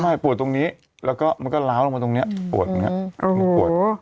ใช่ปวดตรงนี้แล้วก็มันก็ล้าวลงมาตรงนี้ปวดตรงนี้มันปวด